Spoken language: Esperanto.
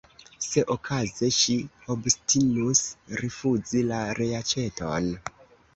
Se okaze ŝi obstinus rifuzi la reaĉeton!